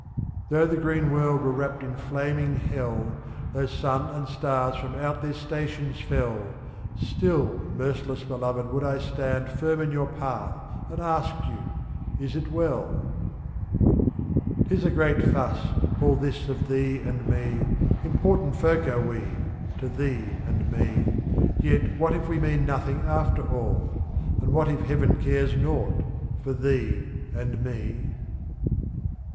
Though the green world were wrapped in fiaming hell. Though sun and stars from out their stations fell, f36,Still, merciless Beloved, would I stand Firm in your path and ask you, ^^ Is it well?*' 60 'Tis a great fuss, all this of Thee and Me, Important folk are we — to Thee and Me ; /3f. Yet what if we mean nothing after all. And what if Heaven cares nought — for Thee and Me